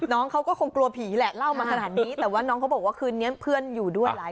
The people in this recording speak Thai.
น้องเขาก็คงกลัวผีแหละเล่ามาขนาดนี้แต่ว่าน้องเขาบอกว่าคืนนี้เพื่อนอยู่ด้วยหลาย